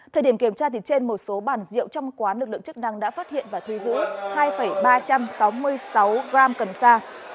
thời điểm kiểm tra trên một số bàn rượu trong quán lực lượng chức năng đã phát hiện và thu giữ hai ba trăm sáu mươi sáu gram cần sa